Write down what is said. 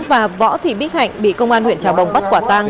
và võ thị bích hạnh bị công an huyện trà bồng bắt quả tang